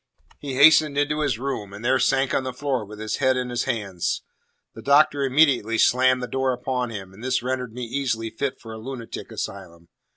He hastened into his room, and there sank on the floor with his head in his hands. The Doctor immediately slammed the door upon him, and this rendered me easily fit for a lunatic asylum.